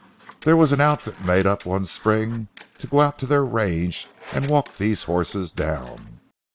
There was an outfit made up one spring to go out to their range and walk these horses down.